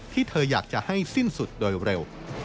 ที่เธออยากจะให้สิ้นสุดโดยเร็ว